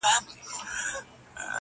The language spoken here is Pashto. حقيقت لا هم نيمګړی ښکاري ډېر